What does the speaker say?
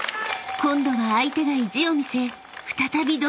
［今度は相手が意地を見せ再び］